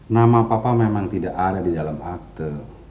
nama papa memang tidak ada di dalam akte